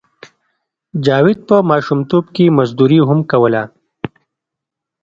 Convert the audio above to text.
جاوید په ماشومتوب کې مزدوري هم کوله